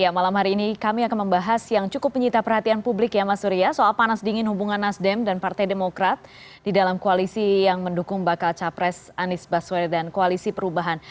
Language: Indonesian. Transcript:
malam hari ini kami akan membahas yang cukup menyita perhatian publik ya mas surya soal panas dingin hubungan nasdem dan partai demokrat di dalam koalisi yang mendukung bakal capres anies baswedan koalisi perubahan